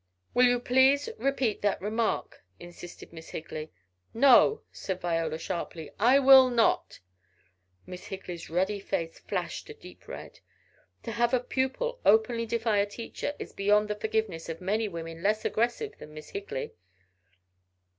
"Will you please repeat that remark?" insisted Miss Higley. "No," said Viola, sharply, "I will not!" Miss Higley's ruddy face flashed a deep red. To have a pupil openly defy a teacher is beyond the forgiveness of many women less aggressive than Miss Higley.